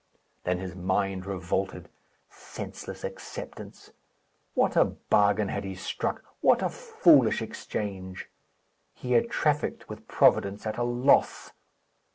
Then his mind revolted. Senseless acceptance! What a bargain had he struck! what a foolish exchange! He had trafficked with Providence at a loss.